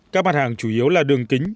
các mặt hàng chủ yếu là đường kính